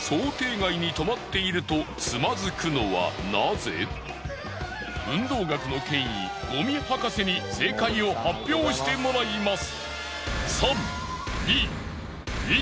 いつも運動学の権威五味博士に正解を発表してもらいます。